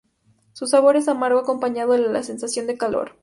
Su sabor es amargo acompañado de la sensación de calor.